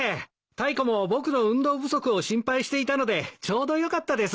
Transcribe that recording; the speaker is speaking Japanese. タイコも僕の運動不足を心配していたのでちょうどよかったです。